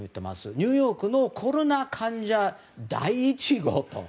ニューヨークのコロナ患者第１号と。